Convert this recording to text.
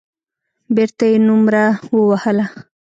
بېرته يې نومره ووهله.